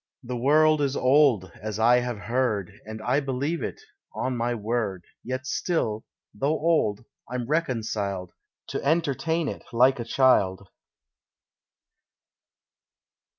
The world is old, as I have heard, And I believe it, on my word; Yet still, though old, I'm reconciled To entertain it like a child.